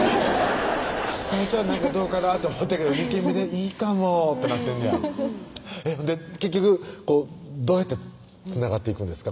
最初はどうかなと思ってたけど２軒目でいいかもってなってんねや結局どうやってつながっていくんですか？